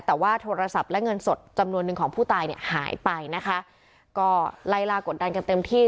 แต่ว่าโทรศัพท์และเงินสดจำนวนหนึ่งของผู้ตายเนี่ยหายไปนะคะก็ไล่ลากดดันกันเต็มที่